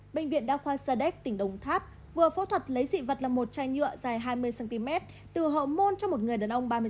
bệnh viện đa khoa sadek tỉnh đồng tháp vừa phẫu thuật lấy dị vật là một chai nhựa dài hai mươi cm từ hộ môn cho một người đàn ông ba mươi sáu